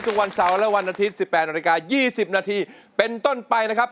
ทุกวันเสาร์วันอาทิตย์๑๘น๒๐นเป็นต้นไปนะครับ